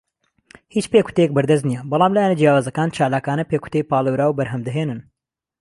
هیچ پێکوتەیەک بەردەست نییە، بەڵام لایەنە جیاوازەکان چالاکانە پێکوتەی پاڵێوراو بەرهەم دەهێنن.